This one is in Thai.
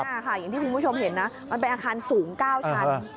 นี่ค่ะอย่างที่คุณผู้ชมเห็นนะมันเป็นอาคารสูง๙ชั้น